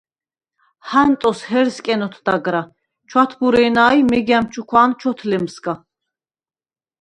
ჰანტოს ჰერსკნ ოთდაგრა, ჩვათბურე̄ნა ი მეგა̈მ ჩუქვა̄ნ ჩვოთლემსგა.